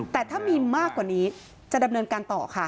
แต่ถ้ามีมากกว่านี้จะดำเนินการต่อค่ะ